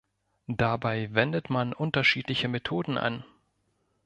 Dabei wendet man unterschiedliche Methoden an.